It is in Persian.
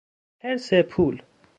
حرص پول